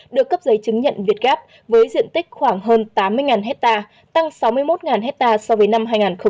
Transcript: được cấp giấy chứng nhận việt gap với diện tích khoảng hơn tám mươi hectare tăng sáu mươi một hectare so với năm hai nghìn một mươi bảy